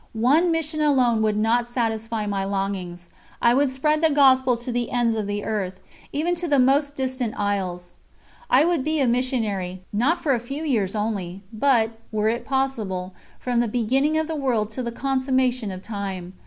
One mission alone would not satisfy my longings. I would spread the Gospel to the ends of the earth, even to the most distant isles. I would be a Missionary, not for a few years only, but, were it possible, from the beginning of the world till the consummation of time.